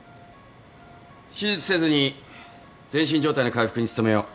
手術せずに全身状態の回復に努めよう。